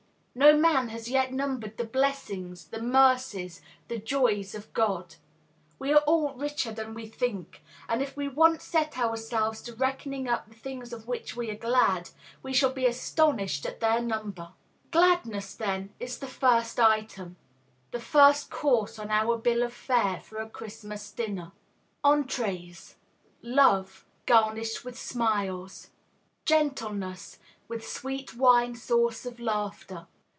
No man has yet numbered the blessings, the mercies, the joys of God. We are all richer than we think; and if we once set ourselves to reckoning up the things of which we are glad, we shall be astonished at their number. Gladness, then, is the first item, the first course on our bill of fare for a Christmas dinner. Entrées. LOVE garnished with Smiles. GENTLENESS, with sweet wine sauce of Laughter.